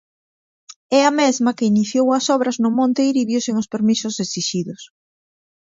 É a mesma que iniciou as obras no monte Iribio sen os permisos exixidos.